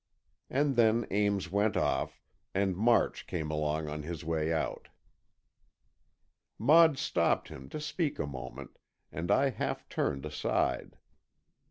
And then Ames went off and March came along on his way out. Maud stopped him to speak a moment, and I half turned aside.